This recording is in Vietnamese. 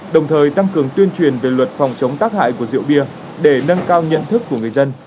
đồng thời tăng cường tuyên truyền về luật phòng chống tác hại của rượu bia để nâng cao nhận thức của người dân